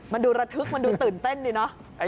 มันดูระทึกมันดูตื่นเต้นดีเนอะ